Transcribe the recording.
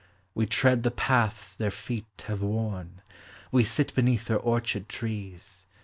We tread the paths their feet have worn, We sit beneath their orchard trees.